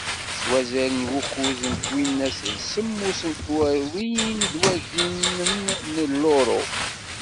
S wazal n wukuẓ n twinas d semmus n tmerwin n wagimen n luru.